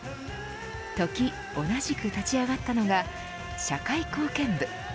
時、同じく立ち上がったのが社会貢献部。